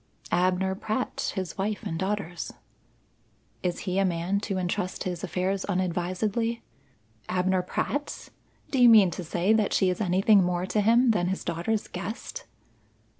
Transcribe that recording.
"Abner Pratt, his wife, and daughters." "Is he a man to entrust his affairs unadvisedly?" "Abner Pratt! Do you mean to say that she is anything more to him than his daughters' guest?"